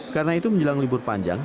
karena itu menjelang libur panjang